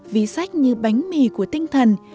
ví sách như bánh mì của tinh thần